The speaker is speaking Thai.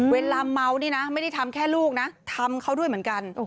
เวลาเมานี่นะไม่ได้ทำแค่ลูกนะทำเขาด้วยเหมือนกัน